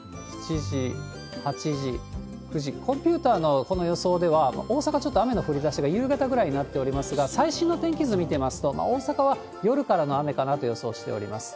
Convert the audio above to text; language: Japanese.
コンピューターのこの予想では、大阪、ちょっと雨の降りだしが夕方ぐらいになっておりますが、最新の天気図見ておりますと、大阪は夜からの雨かなと予想しております。